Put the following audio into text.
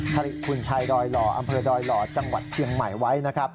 ผลิตคุณชัยดอยหล่ออำเภอดอยหล่อจังหวัดเชียงใหม่ไว้นะครับ